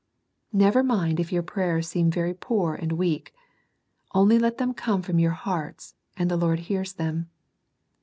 Never mind if your prayers seem very poor and weak. Only let them come from your hearts, and the Lord hears them.